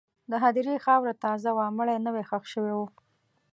د هدیرې خاوره تازه وه، مړی نوی ښخ شوی و.